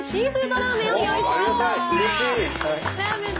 ラーメンだ。